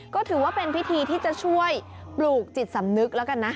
ก็ถือว่าเป็นพิธีที่จะช่วยปลูกจิตสำนึกแล้วกันนะ